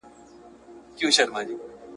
لومړی سبب: د يوسف عليه السلام د بيلتانه وو.